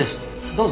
どうぞ。